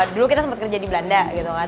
dulu kita sempat kerja di belanda gitu kan